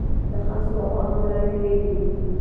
د خاصو او عامو لارې بېلې وې.